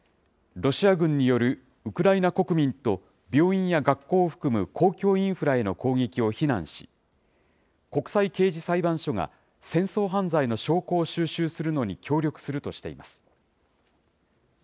ロシア軍によるウクライナ国民と病院や学校を含む公共インフラへの攻撃を非難し、国際刑事裁判所が戦争犯罪の証拠を収集するのに協力するとしています。